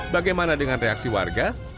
bagaimana dengan reaksi warga